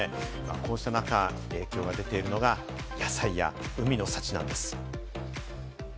こうした中、影響が出ているのが野菜や海の幸なんです。